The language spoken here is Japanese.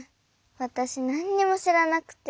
わたしなんにもしらなくて。